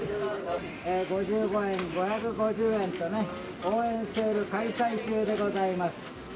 ５５円、５５０円とね、応援セール開催中でございます。